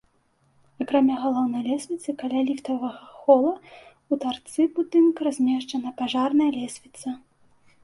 Акрамя галоўнай лесвіцы каля ліфтавага хола ў тарцы будынка размешчана пажарная лесвіца.